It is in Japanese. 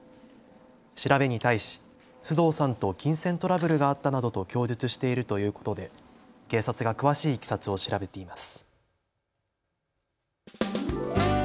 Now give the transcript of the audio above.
調べに対し須藤さんと金銭トラブルがあったなどと供述しているということで警察が詳しいいきさつを調べています。